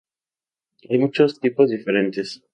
Hay muchos tipos diferentes.